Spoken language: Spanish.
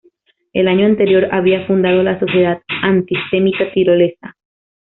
El año anterior, había fundado la Sociedad Antisemita Tirolesa.